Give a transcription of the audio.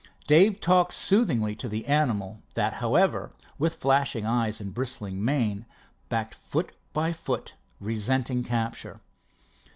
Dave talked soothingly to the animal, that, however, with flashing eyes and bristling mane, backed foot by foot, resenting capture.